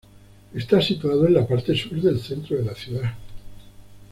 Está situado en la parte sur del centro de la ciudad.